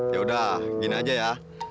yaudah gini aja ya